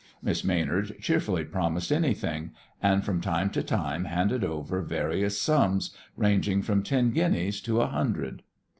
Miss Maynard cheerfully promised anything, and from time to time handed over various sums, ranging from ten guineas to a hundred.